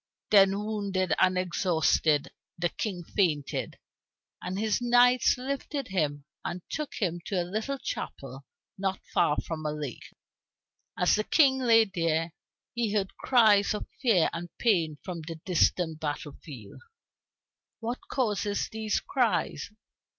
Then, wounded and exhausted, the King fainted, and his knights lifted him and took him to a little chapel not far from a lake. As the King lay there, he heard cries of fear and pain from the distant battle field. "What causes these cries?"